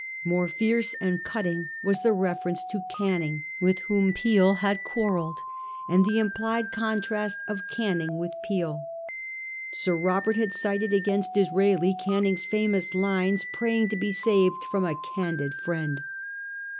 More fierce and cutting was the reference to Canning with whom Peel had quarrelled, and the implied contrast of Canning with Peel. Sir Robert had cited against Disraeli Canning's famous lines praying to be saved from a ' candid friend.